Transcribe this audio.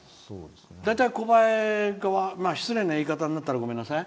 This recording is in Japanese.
大体コバエ失礼な言い方になったらごめんなさい。